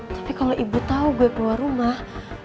tapi kalau ibu tahu gue keluar rumah